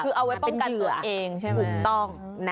คือเอาไว้ป้องกันตัวเองถูกต้อง